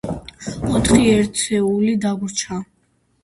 ოთხი ერთეული დაგვრჩა.